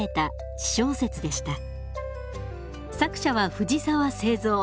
作者は藤澤清造。